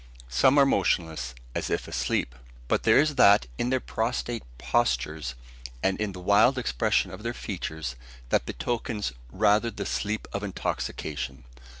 Some are motionless, as if asleep; but there is that in their prostrate postures, and in the wild expression of their features, that betokens rather the sleep of intoxication.